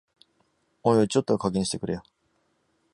おいおい、ちょっとは加減してくれよ